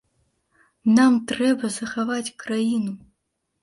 Нам трэба захаваць краіну!